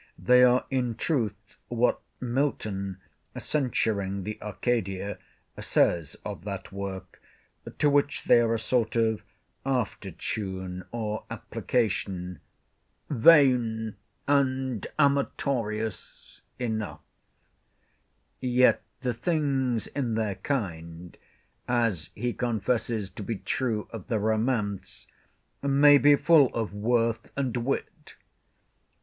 They are in truth what Milton, censuring the Arcadia, says of that work (to which they are a sort of after tune or application), "vain and amatorious" enough, yet the things in their kind (as he confesses to be true of the romance) may be "full of worth and wit."